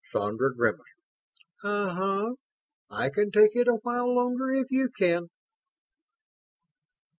Sandra grimaced. "Uh huh. I can take it a while longer if you can."